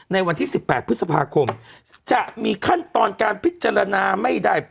ในวันที่๑๘พฤษภาคมจะมีขั้นตอนการพิจารณาไม่ได้